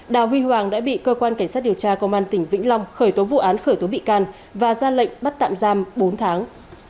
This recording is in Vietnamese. đào huy hoàng đã bị cơ quan cảnh sát điều tra công an tỉnh vĩnh long khởi tố vụ án khởi tố bị can và ra lệnh bắt tạm giam bốn tháng